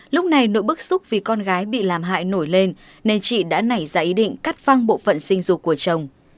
lúc này nỗi bức xúc vì con gái bị làm hại nổi lên nên chị đã nảy ra ý định cắt phăng bộ phận sinh dục của chồng